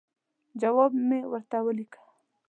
جواب مې ورته ولیکه.